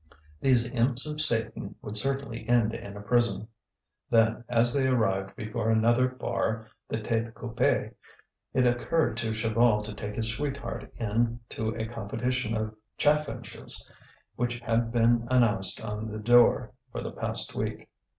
These imps of Satan would certainly end in a prison. Then, as they arrived before another bar, the Tête Coupée, it occurred to Chaval to take his sweetheart in to a competition of chaffinches which had been announced on the door for the past week.